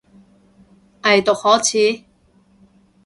偽毒可恥